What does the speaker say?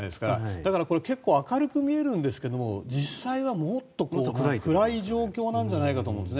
だからこれ、結構明るく見えるんですけれども実際はもっと暗い状況なんじゃないかと思うんです。